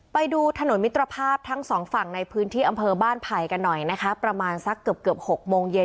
ไปดูถนนมิตรภาพทั้งสองฝั่งในพื้นที่อำเภอบ้านไผ่กันหน่อยนะคะประมาณสักเกือบเกือบ๖โมงเย็น